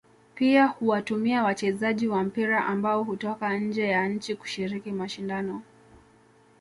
Pia huwatumia wachezaji wa mpira ambao hutoka nje ya nchi kushiriki mashindano